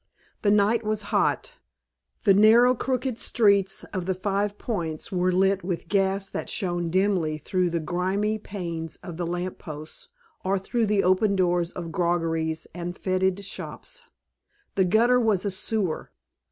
The night was hot. The narrow crooked streets of the Five Points were lit with gas that shone dimly through the grimy panes of the lamp posts or through the open doors of groggeries and fetid shops. The gutter was a sewer.